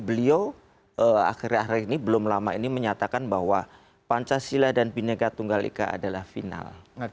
beliau akhir akhir ini belum lama ini menyatakan bahwa pancasila dan bhinnega tunggal ika adalah final